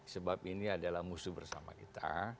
sebab ini adalah musuh bersama kita